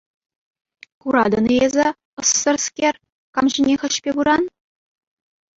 Куратӑн-и эсӗ, ӑссӑрскер, кам ҫине хӗҫпе пыран?